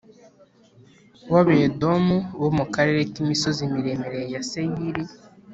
W abedomu bo mu karere k imisozi miremire ya seyiri